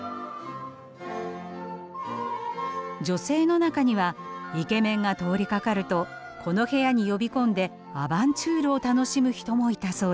女性の中にはイケメンが通りかかるとこの部屋に呼び込んでアバンチュールを楽しむ人もいたそうです。